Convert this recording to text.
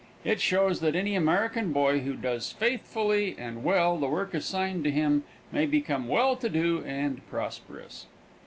It shows that any American boy who does faithfully and well the work assigned to him may become well to do and prosperous.